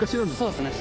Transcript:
そうですね。